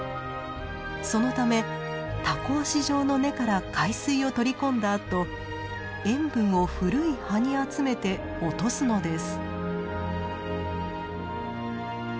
そのためタコ足状の根から海水を取り込んだあと塩分を古い葉に集めて落とすのです。